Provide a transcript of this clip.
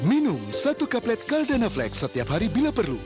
minum satu kaplet caldana flex setiap hari bila perlu